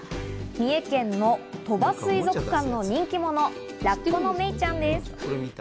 三重県の鳥羽水族館の人気者、ラッコのメイちゃんです。